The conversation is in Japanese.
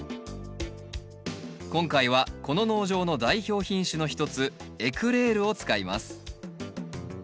今回はこの農場の代表品種の一つエクレールを使います。